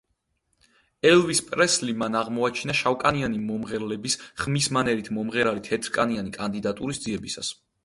ელვის პრესლი მან აღმოაჩინა შავკანიანი მომღერლების ხმის მანერით მომღერალი თეთრკანიანი კანდიდატურის ძიებისას.